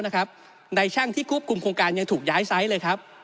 ในช่างที่ควบคุมโครงการยังถูกย้ายไซส์เลยครับ